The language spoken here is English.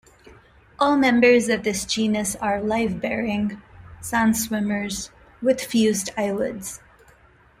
All members of this genus are live-bearing, sandswimmers, with fused eyelids.